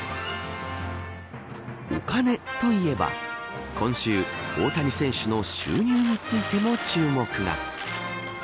お金といえば今週、大谷選手の収入についても注目が。